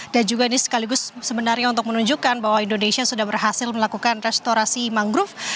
juga ini sekaligus sebenarnya untuk menunjukkan bahwa indonesia sudah berhasil melakukan restorasi mangrove